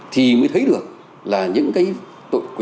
thì mới thấy được là những cái